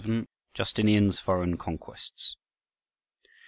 VII. JUSTINIAN'S FOREIGN CONQUESTS.